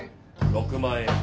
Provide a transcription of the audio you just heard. ６万円。